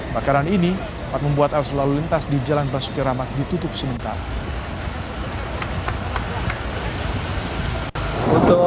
bakaran ini sempat membuat arus lalu lintas di jalan basuki rahmat ditutup sementara